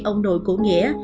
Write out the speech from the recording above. ông nội của nghĩa